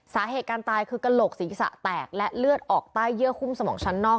สาเหตุการตายคือกระโหลกศีรษะแตกและเลือดออกใต้เยื่อหุ้มสมองชั้นนอก